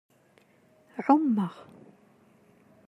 Ɛumeɣ.